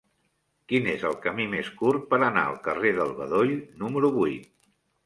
Quin és el camí més curt per anar al carrer del Bedoll número vuit?